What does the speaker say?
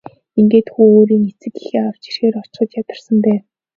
Ингээд хүү өөрийн эцэг эхээ авч ирэхээр очиход ядарсан байв.